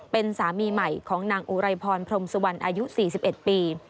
เป็นสามีใหม่ของนางอุไรพรพรมสุวรรณอายุ๔๑ปี